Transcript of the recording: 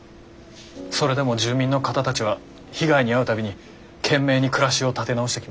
それでも住民の方たちは被害に遭う度に懸命に暮らしを立て直してきました。